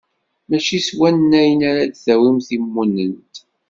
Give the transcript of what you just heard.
Mačči s wannayen ara d-tawim timunnent.